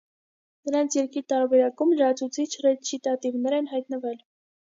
Նրանց երգի տարբերակում լրացուցիչ ռեչիտատիվներ են հայտնվել։